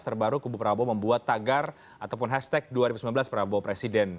terbaru kubu prabowo membuat tagar ataupun hashtag dua ribu sembilan belas prabowo presiden